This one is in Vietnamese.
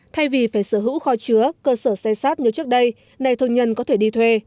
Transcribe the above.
thay vì phải sở hữu kho chứa cơ sở xe sát như trước đây này thương nhân có thể đi thuê